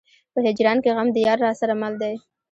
په هجران کې غم د يار راسره مل دی.